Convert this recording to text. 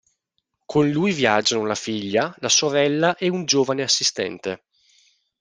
Con lui viaggiano la figlia, la sorella e un giovane assistente.